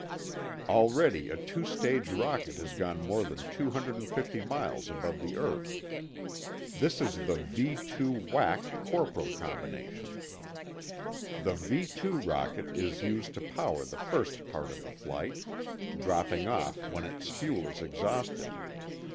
Already, a two stage rocket has gone more than 250 miles above the earth. This is the V 2 Wac Corporal combination. The V 2 rocket is used to power the first part of the flight, dropping off when its fuel is exhausted.